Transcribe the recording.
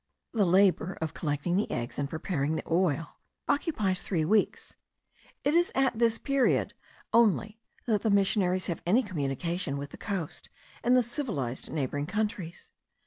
The labour of collecting the eggs, and preparing the oil, occupies three weeks. It is at this period only that the missionaries have any communication with the coast and the civilized neighbouring countries.